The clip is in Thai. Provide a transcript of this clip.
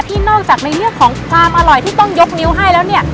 ที่นอกจากความอร่อยที่ต้องยกนิ้วให้แล้วเนี่ย